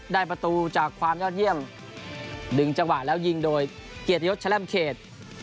ได้ประตูจากความยอดเยี่ยมดึงจังหวะแล้วยิงโดยเกียรติยศแลมเขต